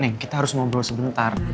nah kita harus ngobrol sebentar